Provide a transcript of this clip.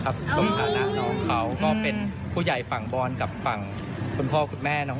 จะบอกว่าจัดให้สมกับความสวยของน้อง